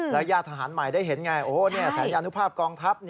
ญาติทหารใหม่ได้เห็นไงสัญญาณุภาพกองทัพ